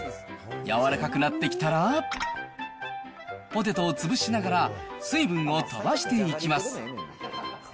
軟らかくなってきたら、ポテトを潰しながら水分を飛ばしていきます。